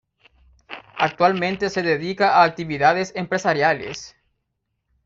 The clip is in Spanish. Actualmente se dedica a actividades empresariales.